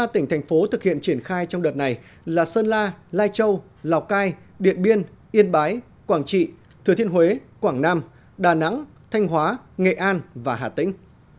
ba tỉnh thành phố thực hiện triển khai trong đợt này là sơn la lai châu lào cai điện biên yên bái quảng trị thừa thiên huế quảng nam đà nẵng thanh hóa nghệ an và hà tĩnh